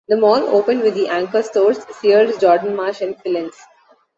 The mall opened with the anchor stores Sears, Jordan Marsh, and Filene's.